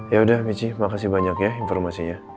ya udah michi makasih banyak ya informasinya